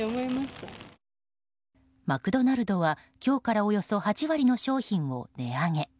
マクドナルドは今日からおよそ８割の商品を値上げ。